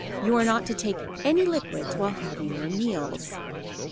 _You are not to take any liquids while having your meals.